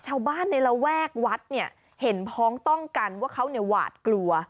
ชาวบ้านในระแวกวัดเนี่ยเห็นพ้องต้องกันว่าเขาเนี่ยหวาดกลัว